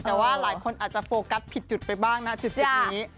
แต่ว่าหลายคนอาจจะโฟกัสผิดจุดไปบ้างนะจุดนี้